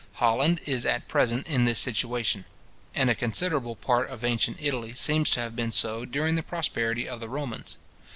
Holland is at present in this situation; and a considerable part of ancient Italy seems to have been so during the prosperity of the Romans.